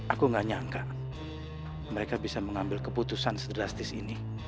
aku nggak nyangka mereka bisa mengambil keputusan sederastis ini